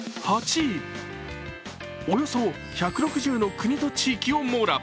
およそ１６０の国と地域を網羅。